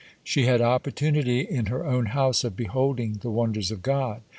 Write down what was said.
(12) She had opportunity in her own house of beholding the wonders of God.